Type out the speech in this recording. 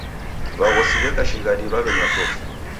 W'aghosi w'eka shighadi w'aw'enywa chofi.